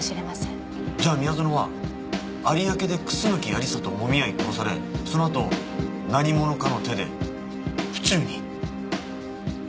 じゃあ宮園は有明で楠木亜理紗ともみ合い殺されそのあと何者かの手で府中に。